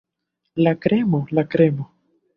La kremo, la kremo!